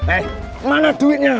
eh mana duitnya